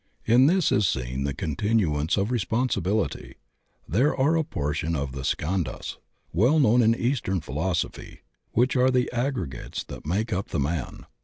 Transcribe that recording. In this is seen the continuance of responsibility. They are a portion of the skandhas — ^weU known in eastern phi losophy — ^which are the aggregates that make up the man.